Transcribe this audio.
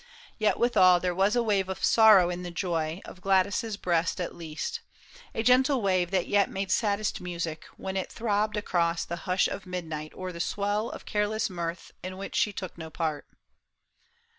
Yet withal There was a wave of sorrow in the joy Of Gladys' breast at least ; a gentle wave That yet made saddest music, when it throbbed Across the hush of midnight or the swell Of careless mirth in which she took no part.